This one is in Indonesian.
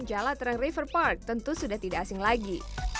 jalet reng river park tentu sudah tidak asing lagi